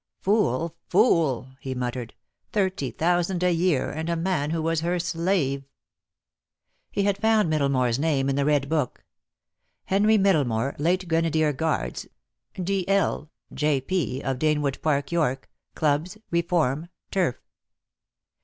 "Fool! Fool!" he muttered. "Thirty thousand a year, and a man who was her slave." DEAD LOVE HAS CHAINS. 28 1 He had found Middlemore's name in the red book. "Henry Middlemore, late Grenadier Guards, D.L., J.P., of Danewood Park, York; Clubs, Reform, Turf."